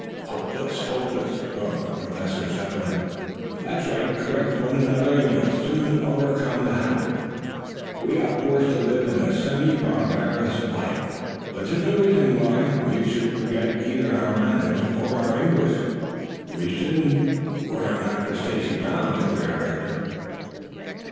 "Hopeless! Hopeless!" groaned Professor Zepplin. "But that's right. Correct one another and you will soon overcome the habit. We are forced to live a semi barbarous life, but that is no reason why we should forget either our manners or our English." "We shouldn't were it not for Stacy Brown," declared Rector.